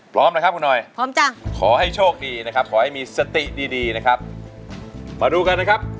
พร้อมนะครับคุณหน่อยพร้อมจ้ะขอให้โชคดีนะครับขอให้มีสติดีดีนะครับมาดูกันนะครับ